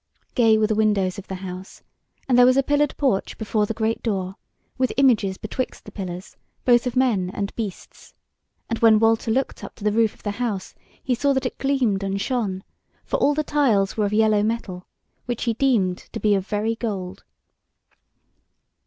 Gay were the windows of the house; and there was a pillared porch before the great door, with images betwixt the pillars both of men and beasts: and when Walter looked up to the roof of the house, he saw that it gleamed and shone; for all the tiles were of yellow metal, which he deemed to be of very gold.